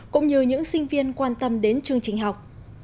cũng như những sinh viên quan tâm đến chương trình học